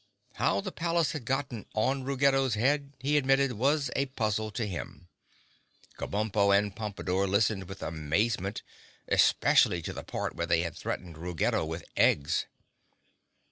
How the palace had gotten on Ruggedo's head, he admitted was a puzzle to him. Kabumpo and Pompadore listened with amazement, especially to the part where they had threatened Ruggedo with eggs.